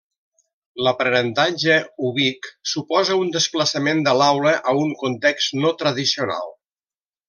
L'aprenentatge ubic suposa un desplaçament de l'aula a un context no tradicional.